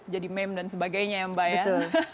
jadi meme dan sebagainya ya mbak